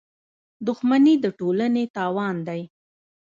• دښمني د ټولنې تاوان دی.